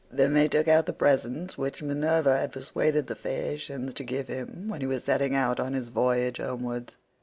Then they took out the presents which Minerva had persuaded the Phaeacians to give him when he was setting out on his voyage homewards.